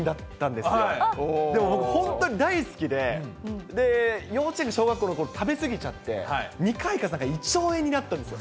でも僕、本当に大好きで、幼稚園、小学校のころ、食べ過ぎちゃって、２回か３回、胃腸炎になったんですよ。